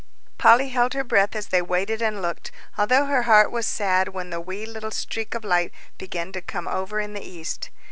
Polly held her breath as they waited and looked, although her heart was sad when the wee little streak of light began to come over in the east.